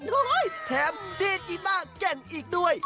โอ้โหยแถมดีจีตาร์เก่งอีกด้วย